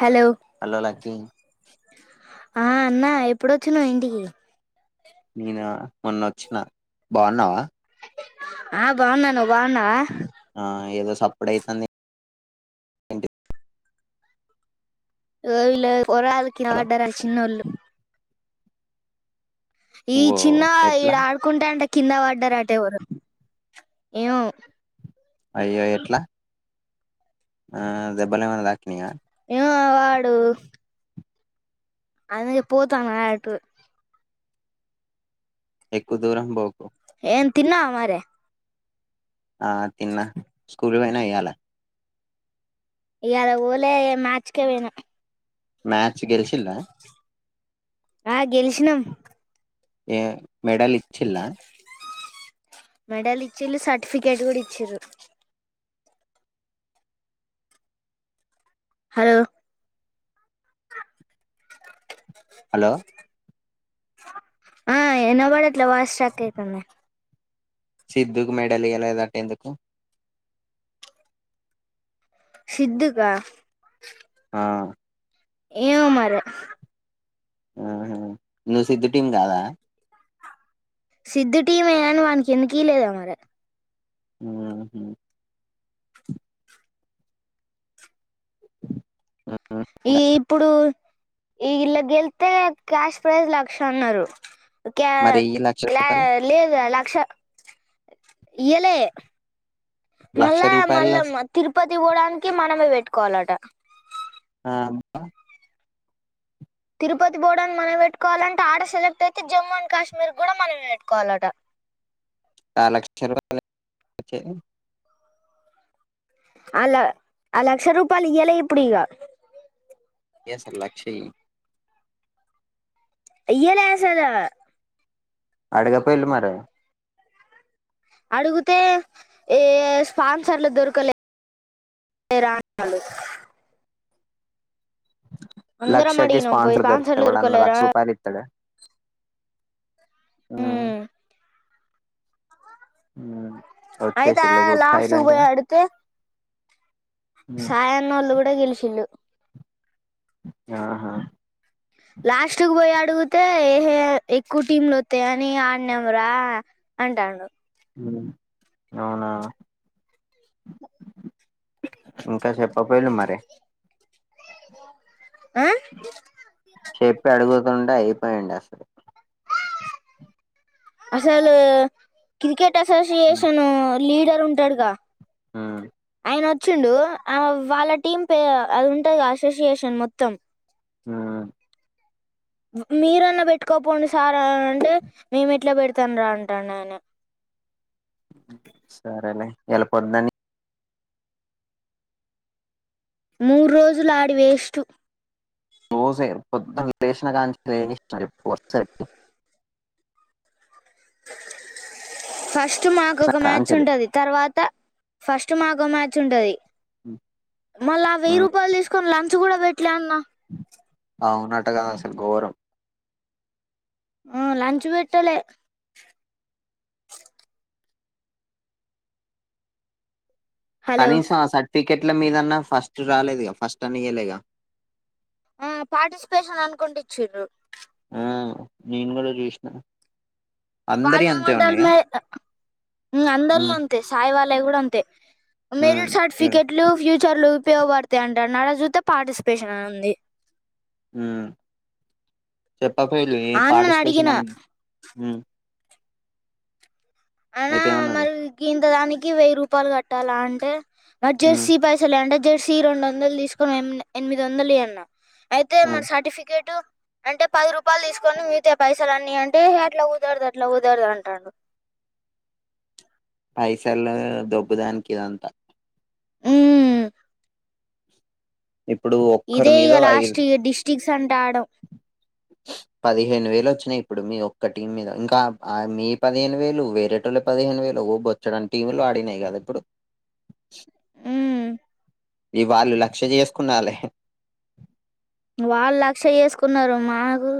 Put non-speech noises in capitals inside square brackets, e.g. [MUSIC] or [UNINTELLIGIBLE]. Hello hello Lucky ఆ అన్నా ఎప్పుడొచ్చినవ్ ఇంటికి నేనా మొన్నోచ్చిన, బావున్నవా? ఆ బావున్న, నువ్వు బావున్నవా? ఆ ఏదో సప్పుడైతాందేన్ ఇగో వీళ్ళు పొరగాళ్ళు కింద హలో బడ్డరన్ చిన్నోళ్ళు ఈ ఓ చిన్న ఈడ ఎట్లా ఆడుకుంటాంటె కింద బడ్డరట్ టెవరో ఏమో అయ్యో ఎట్ల ఆ దెబ్బలే మన్న తాకినయ? ఏమొ వాడు అందుకె పోతం అటు ఎక్కువ దూరం బోకు ఏం తిన్నావ మరి? ఆ తిన్న, స్కూల్ పోయినవా ఇయ్యాల ఇయ్యాల బోలే మ్యాచ్కే బోయిన మ్యాచ్ గెలిచిల్లా ఆ గెలిచినం ఏ మెడల్ ఇచ్చిల్ల మెడల్ ఇచ్చిళ్ళు సర్టిఫికేట్ గూడ ఇచ్చిళ్లు హలో హలో ఆ ఇనబడట్లే వాయిస్ స్ట్రక్ ఐతాంది సిద్దుకు మెడల్ ఇయ్యాలేదట ఎందుకు? సిద్ధుకా ఆ ఏమో మరే ఆహా నువ్వు సిద్దు టీం గాదా సిద్దు టీమే గని వానీకెందుకీయాలేదో మరె. ఉమ్ హ్ ఉహు ఈ ఇంకా ఇప్పుడు ఈ ఇల్ల గెల్తే క్యాష్ ప్రైజ్ లక్షన్నరు. క్యా మరి ఈ లక్ష క్లా రూపాయలు లేదు లక్ష ఇయ్యలే లక్ష మళ్ళా మళ్ళ రూపాయల మ తిరుపతి బోడానికి మనమే బెట్టుకోవాలట. ఆవునా తిరుపతి బోవడానికి మనమే పెట్టుకోవాలంట, ఆడ సెలెక్టయితే జమ్మూ అండ్ కాశ్మీర్ గ్గుడా మనమే బెట్టుకోవాలట. ఆ లక్ష రూపాయలు [UNINTELLIGIBLE] దెచ్చేది ఆల ఆ లక్ష రూపాలు ఇయ్యాలే ఇప్పుడిగ ఎస్ అల్లక్షయ్ ఇయ్యలే అసలు అడగపోయిళ్ళు మరే అడుగుతే ఏ స్పాన్సర్లు దొరకలే. రాణాలు అందరం లక్షకి అడిగినాం పోయి స్పాన్సర్ దొరకుతె స్పాన్సర్లు ఎవ్వడన్న దొరకలేరా లక్ష రూపాయలు ఇత్తడా? ఉమ్ ఆయితా వచ్చేసిళ్ళ గుడ్ లాస్ట్ సైలెంట్ ఉ గా అడితే సాయ అన్నో వాళ్ళ కూడా గెలుసిలు ఆహా లాస్ట్ కు పోయి అడిగితే ఏ ఎక్కువ టీంలు వస్తాయి అని ఆడినాంరా అంటను అవునా ఇంకా చెప్ప పయలు మరి ఆ చెప్పి అడుగుతుండే అయిపోయిడి అసలు అసలు క్రికెట్ అసోసియేషన్ లీడర్ ఉంటాడుగా ఆ ఆయన వచ్చిండు ఆ వాళ్ళ టీం పే అది ఉంటది అసోసియేషన్ మొత్తం ఆ మీరన్నా పెట్టుకోపోండి సార్ా అంటే మేము ఎట్లా పెడతాం రా అంటాం ఆయన వెళ్ళిపోతుందని మూరు రోజులు ఆడి వేస్టు రోస కొద్ద్దం వివేషణ కాంచ రనిస ఫస్ట్ మాకు ఒక మ్యాచ్ కాంచెలు ఉంటది తర్వాత ఫస్ట్ మాకు మ్యాచ్ ఉంటంది మళ్ళ ఆ వెయ్యి రూపాయలు తీసుకొని లంచ్ కూడా పెట్ ఇలాన్నా అవున్నటుగా అసలు ఘోరం ఆ లంచంచ వీటలే హలో కనీసం ఆ సర్టిఫికెట్ల మీదన్నా ఫస్ట్ రాలేదు ఫస్ట్ అని ఇయ్యలేగా ఆ పార్టిసిపేషన్ అనుకుంట ఇచ్చ్రు ఆ నేను కూడా చూసినా వాళ్ళు ఏమండారు మరి అందరిలో హ్మ్. అంతే సాయి వాళ్ళవి కూడా అంతే హ్మ్. మెరిట్ యా సర్టిఫికెట్లు ఫ్యూచర్లు పయోగపడుతా అంటారు నాడ చూస్త పార్టిసిపేషన్ అ ఉంది చెప్పకళ ఆ అన్నని పార్టిసిపేషన్ అడిగిన అ అనా అయితే ఏమన్నారు? మరి ఇంత దానికి వెయ్యి రూపాయలు కట్టాలా అంటే మరి హ్మ్. జెర్సీ పైసలు అంటే జెర్సీ రెండు వందలు తీసుకున్నా ఎనిమిది వందలు అన్న అయితే మన హ్మ్. సర్టిఫికేట్ అంటే పది రూపాయలు తీసుకొని మిగితా పైసలు అన్ని అంటే అట్లా కుదరదు అట్లా కుదరదు అంటాడు పైసల్లో దబ్బు దానికి ఇదంతా మ్మ్. ఇప్పుడు ఒక్కరి ఇదే ఇక మీద ఐదు లాస్ట్ ఇక డిస్ట్రిక్ట్స్ అంటే ఆడం పదిహేను వేలు వచ్చినాయి ఇప్పుడు మీ ఒక్క టీమ్ మీద ఇంకా మీ పదిహేను వేలు వేరేటోళ పదిహేను వేలు బోచ్చడానికి టీలు ఆడినాయి కదా ఇప్పుడు మ్మ్. ఇవాళ్ళు లక్ష్య చేసుకునాలి వాళ్ళు లక్ష చేసుకున్నారు మాకు